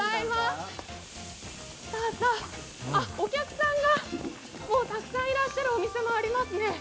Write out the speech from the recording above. お客さんがたくさんいらっしゃるお店もありますね。